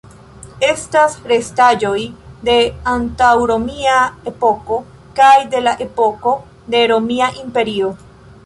Estas restaĵoj de antaŭromia epoko kaj de la epoko de Romia Imperio.